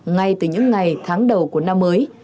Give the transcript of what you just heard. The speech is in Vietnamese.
ngay từ những ngày tháng đầu của năm mới